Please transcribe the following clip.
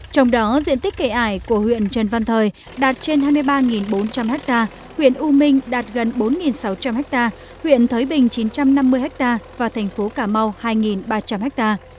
trong đó diện tích cây ải của huyện trần văn thời đạt trên hai mươi ba bốn trăm linh ha huyện u minh đạt gần bốn sáu trăm linh ha huyện thới bình chín trăm năm mươi ha và thành phố cà mau hai ba trăm linh ha